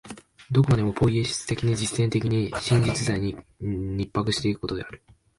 どこまでもポイエシス的に、実践的に、真実在に肉迫し行くことである。